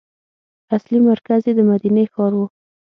اصلي مرکز یې د مدینې ښار و.